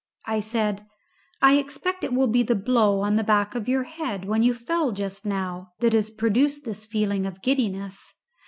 I said, "I expect it will be the blow on the back of your head, when you fell just now, that has produced this feeling of giddiness.